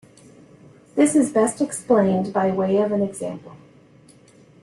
This is best explained by way of an example.